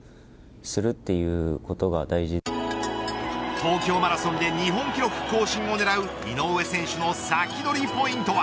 東京マラソンで日本記録更新を狙う井上選手のサキドリポイントは。